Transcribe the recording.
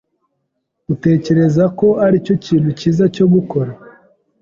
Utekereza ko aricyo kintu cyiza cyo gukora?